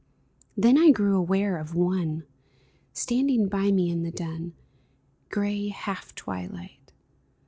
Then I grew aware of one Standing by me in the dun, Gray half twilight.